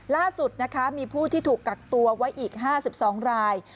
ล่าสุดนะคะมีผู้ที่ถูกกักตัวไว้อีก๕๒ราย